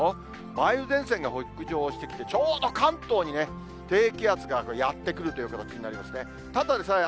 梅雨前線が北上してきて、ちょうど関東に低気圧がやって来るという形、になりますね。